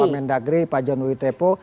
wamen dagri pak januwi tepo